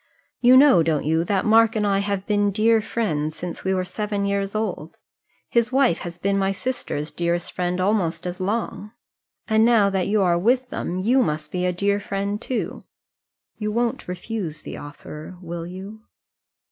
You know, don't you, that Mark and I have been dear friends since we were seven years old. His wife has been my sister's dearest friend almost as long; and now that you are with them, you must be a dear friend too. You won't refuse the offer; will you?"